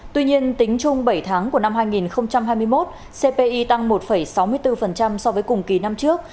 tuy nhiên tính chung bảy tháng của năm hai nghìn hai mươi một cpi tăng một sáu mươi bốn so với cùng kỳ năm trước